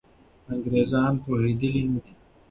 انګریزان پوهېدلي نه دي.